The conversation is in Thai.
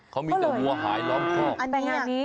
เขามีแต่วัวหายร้อนเคราะห์